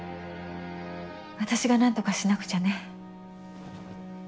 私が何とかしなくちゃね。